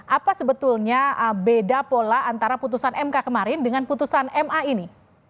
apa sebetulnya beda pola antara putusan mk kemarin dengan putusan ma ini